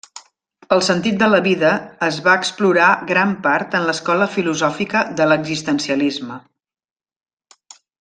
El sentit de la vida es va explorar gran part en l'escola filosòfica de l'existencialisme.